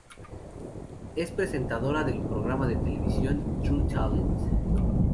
Es presentadora del programa de televisión "True Talent".